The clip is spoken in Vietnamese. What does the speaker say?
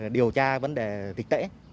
điều tra vấn đề dịch tễ